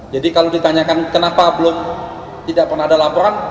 jadi kalau ditanyakan kenapa belum tidak pernah ada laporan